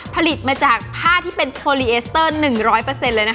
ผลิตมาจากผ้าที่เป็นเฟอร์ลี่เอสเตอร์